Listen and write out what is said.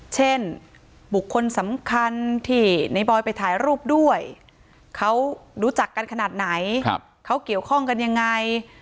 เช่นบุคคลสำคัญที่ในบอยไปถ่ายรูปด้วยเขารู้จักกันขนาดไหนเขาเกี่ยวข้องกันยังไง